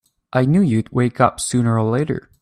I knew you'd wake up sooner or later!